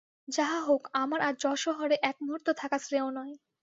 যাহা হউক, আমার আর যশোহরে একমুহূর্ত থাকা শ্রেয় নয়।